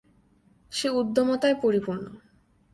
সে উদ্যমতায় পরিপূর্ণ।